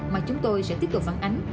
mà chúng tôi sẽ tiếp tục phản ánh